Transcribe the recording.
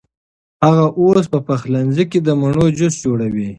هغه اوس په پخلنځي کې د مڼو جوس جوړوي.